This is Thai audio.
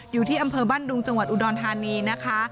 อยู่ที่อำเภอบ้านดุงจังหวัดอุดรธานีนะคะ